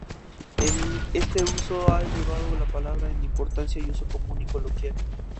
Este uso ha elevado la palabra en importancia y uso común y coloquial.